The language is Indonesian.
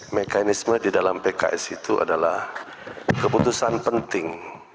mekanisme di dalam pks itu adalah keputusan penting